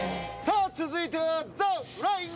さあ続いては。